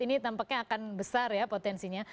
ini tampaknya akan besar ya potensinya